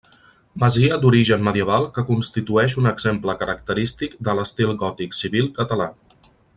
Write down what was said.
Masia d'origen medieval que constitueix un exemple característic de l'estil gòtic civil català.